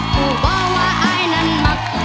ปุ๊บว่าไอ้นั้นเมตต์เด็ด